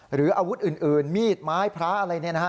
หรืออาวุธอื่นมีดไม้พระอะไรเนี่ยนะฮะ